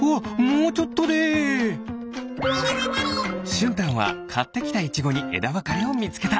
しゅんたんはかってきたイチゴにえだわかれをみつけた！